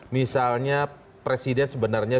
misalnya presiden sebenarnya